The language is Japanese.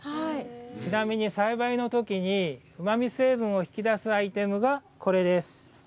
ちなみに栽培のときにうまみ成分を引き出すアイテムが、これです。